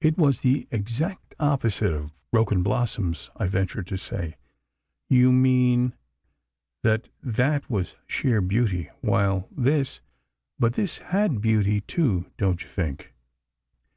"It was the exact opposite of 'Broken Blossoms,'" I ventured to say. "You mean ..." "That that was sheer beauty, while this——" "But this had beauty, too, don't you think?"